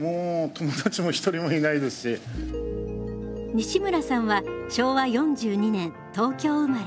西村さんは昭和４２年東京生まれ。